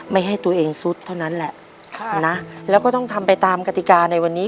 ไม่ให้ตัวเองซุดเท่านั้นแหละค่ะนะแล้วก็ต้องทำไปตามกติกาในวันนี้